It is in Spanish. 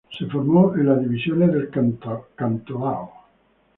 Se formo en las divisiones del Cantolao.